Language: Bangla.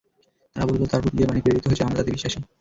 তারা বলল, তার প্রতি যে বাণী প্রেরিত হয়েছে আমরা তাতে বিশ্বাসী।